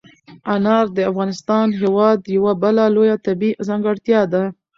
انار د افغانستان هېواد یوه بله لویه طبیعي ځانګړتیا ده.